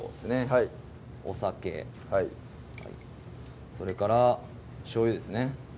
はいお酒それからしょうゆですね